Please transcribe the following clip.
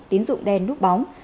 tín dụng đen nút bóng